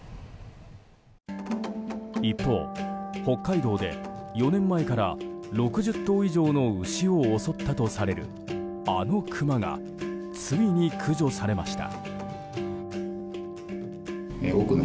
一方、北海道で４年前から６０頭以上の牛を襲ったとされるあのクマがついに駆除されました。